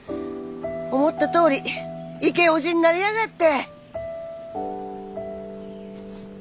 思ったとおりイケオジになりやがって！